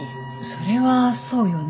それはそうよね。